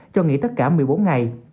cho nghỉ tất cả một mươi bốn ngày